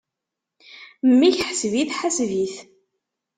Mmi-k ḥseb-it, ḥaseb-it!